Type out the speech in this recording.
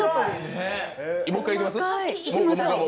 もう一回いきます？